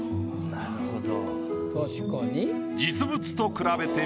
なるほど。